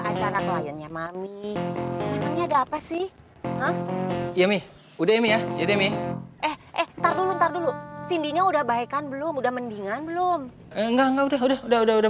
acara kliennya mami ada apa sih ya udah ya udah mendingan belum udah udah udah udah